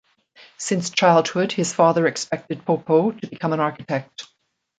Since childhood his father expected Popo to become an architect.